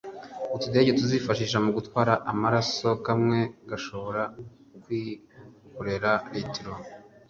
Utudege tuzifashishwa mu gutwara amaraso kamwe gashobora kwikorera litiro